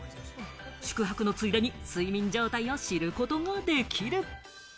宿泊のついでに睡眠状態を知ることもできる。